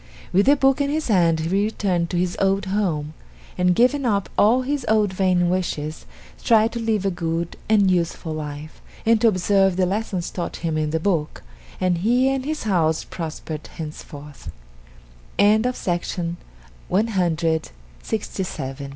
With the book in his hand he returned to his old home, and giving up all his old vain wishes, tried to live a good and useful life and to observe the lessons taught him in the book, and he and his house prospered henceforth. THE ACCOMPLISHED AND LUCKY TEAKETTLE ADAPTED BY A.